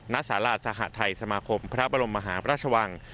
ณสาราสหทัยสมาคมพระบรมมหาพระราชวัง